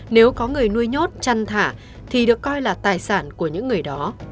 nếu có người nuôi nhốt chăn thả thì được coi là tài sản của những người đó